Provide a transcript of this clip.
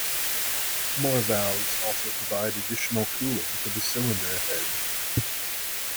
More valves also provide additional cooling to the cylinder head.